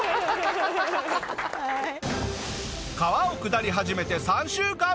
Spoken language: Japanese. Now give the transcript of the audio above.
川を下り始めて３週間。